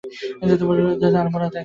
শনিবার প্রাতে আমরা আলমোড়া ত্যাগ করিলাম।